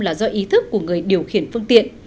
là do ý thức của người điều khiển phương tiện